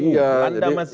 belanda masih jauh